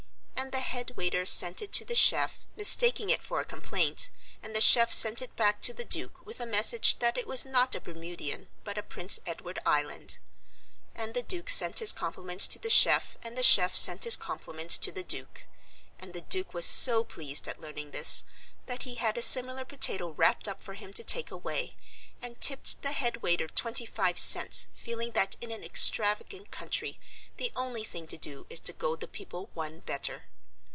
And the head waiter sent it to the chef, mistaking it for a complaint, and the chef sent it back to the Duke with a message that it was not a Bermudian but a Prince Edward Island. And the Duke sent his compliments to the chef, and the chef sent his compliments to the Duke. And the Duke was so pleased at learning this that he had a similar potato wrapped up for him to take away, and tipped the head waiter twenty five cents, feeling that in an extravagant country the only thing to do is to go the people one better.